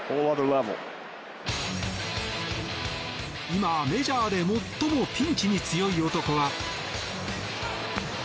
今、メジャーで最もピンチに強い男は。